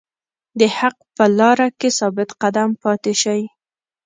د حق په لاره کې ثابت قدم پاتې شئ.